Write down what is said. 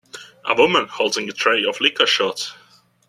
A woman holding a tray of liquor shots.